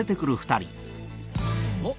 あっ！